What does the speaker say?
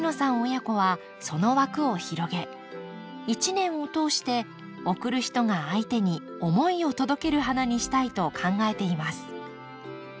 親子はその枠を広げ一年を通して贈る人が相手に思いを届ける花にしたいと考えています。